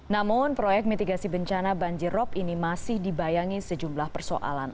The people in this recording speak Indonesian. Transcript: namun proyek mitigasi bencana banjirop ini masih dibayangi sejumlah persoalan